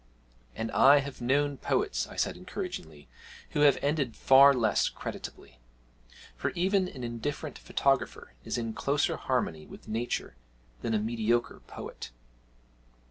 'And I have known poets,' I said encouragingly, 'who have ended far less creditably. For even an indifferent photographer is in closer harmony with nature than a mediocre poet.'